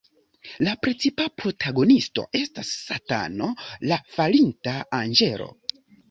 La precipa protagonisto estas Satano, la falinta anĝelo.